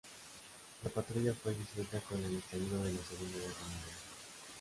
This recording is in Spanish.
La patrulla fue disuelta con el estallido de la Segunda Guerra Mundial.